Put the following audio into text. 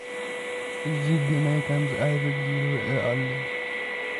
እዚ ጐማ፡ ከምዝኣረገ የርኢ ኣሎ።